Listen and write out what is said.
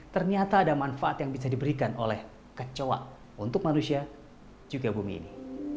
ternyata ada manfaat yang bisa diberikan oleh kecoa untuk manusia juga bumi ini